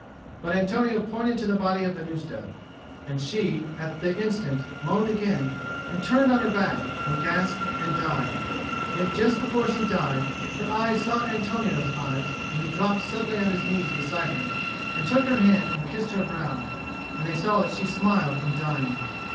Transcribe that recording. But Antonio pointed to the body of Venusta. And she, at the instant, moaned again, and turned on her back, and gasped, and died: yet just before she died, her eyes sought Antonio's eyes, and he dropped suddenly on his knees beside her, and took her hand and kissed her brow. And they saw that she smiled in dying.